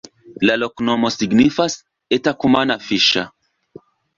La loknomo signifas: eta-kumana-fiŝa.